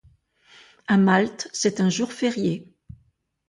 À Malte, c'est un jour férié.